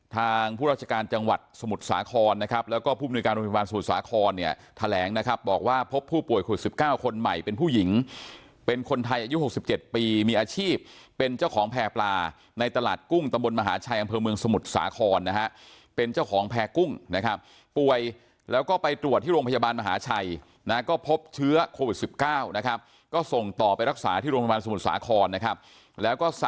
ทางผู้ราชการจังหวัดสมุทรสาครนะครับแล้วก็ผู้บุญการโรงพยาบาลสมุทรสาครเนี่ยแถลงนะครับบอกว่าพบผู้ป่วยโควิด๑๙คนใหม่เป็นผู้หญิงเป็นคนไทยอายุ๖๗ปีมีอาชีพเป็นเจ้าของแพร่ปลาในตลาดกุ้งตำบลมหาชัยกำเภาเมืองสมุทรสาครนะฮะเป็นเจ้าของแพร่กุ้งนะครับป่วยแล้วก็ไปตรวจที่โรงพยาบา